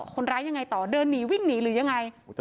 คนร้ายยังไงต่อเดินหนีวิ่งหนีหรือยังไง